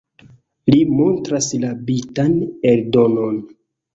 Li montras la bitan eldonon.